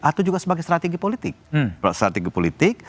atau juga sebagai strategi politik